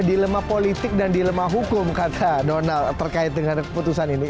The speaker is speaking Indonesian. dilema politik dan dilema hukum kata donald terkait dengan keputusan ini